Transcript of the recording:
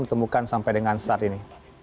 ditemukan sampai dengan saat ini